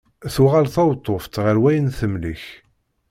Tuɣal tweṭṭuft ɣer wayen temlek.